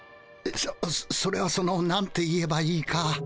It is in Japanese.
それはそのなんて言えばいいか。